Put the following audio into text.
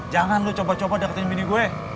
jangan lo coba coba deketin bini kue